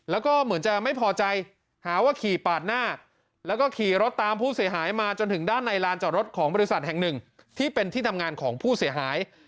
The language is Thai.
แล้วก็เหมือนจะไม่พอใจหาว่าขี่ปาดหน้าแล้วก็ขี่รถตามผู้เสียหายมาจนถึงด้านในลานจอดรถของบริษัทแห่งหนึ่งที่เป็นที่ทำงานของผู้เสียหาย